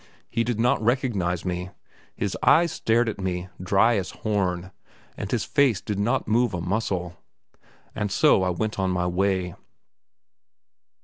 He did not recognize me; his eyes stared at me, dry as horn, and his face did not move a muscle. And so I went on my way.